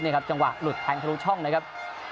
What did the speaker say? นี่ครับจังหวะหลุดแทงทะลุช่องนะครับ